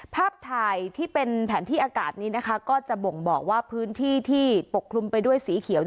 ภาพถ่ายที่เป็นแผนที่อากาศนี้นะคะก็จะบ่งบอกว่าพื้นที่ที่ปกคลุมไปด้วยสีเขียว